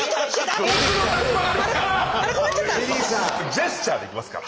ジェスチャーでいきますから。